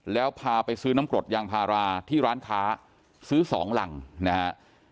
แล้วพาไปซื้อน้ำกรดยางพาราที่ร้านค้าซื้อสองหลังนะฮะ